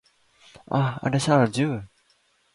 Ah, ada salju!